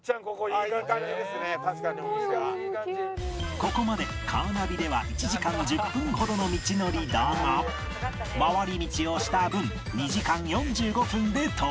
ここまでカーナビでは１時間１０分ほどの道のりだが回り道をした分２時間４５分で到着